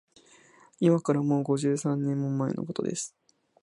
いまから、もう五十三年も前のことです